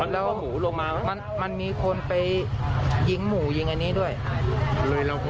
แล้วหูลงมามันมีคนไปยิงหมู่ยิงอันนี้ด้วย